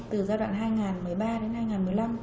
từ giai đoạn hai nghìn một mươi ba đến hai nghìn một mươi năm